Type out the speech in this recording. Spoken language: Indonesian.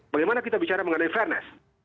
bagaimana kita bicara mengenai fairness